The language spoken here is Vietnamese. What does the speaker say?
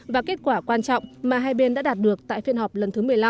và kết quả quan trọng mà hai bên đã đạt được tại phiên họp lần thứ một mươi năm